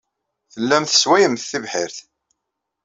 Tellamt tesswayemt tibḥirt.